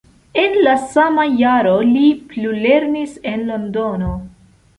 En la sama jaro li plulernis en Londono.